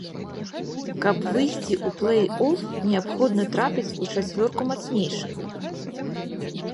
Каб выйсці ў плэй-оф, неабходна трапіць у чацвёрку мацнейшых.